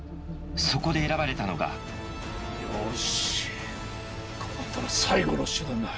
そこで選ばれたのがよしこうなったら最後の手段だ。